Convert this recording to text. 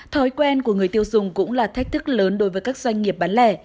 thói quen của người tiêu dùng cũng là thách thức lớn đối với các doanh nghiệp bán lẻ